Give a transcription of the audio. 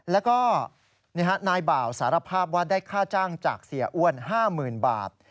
แล้วก็นายบ่าวสารภาพว่าได้ค่าจ้างจากเสียอ้วน๕๐๐๐บาท